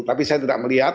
tapi saya tidak melihat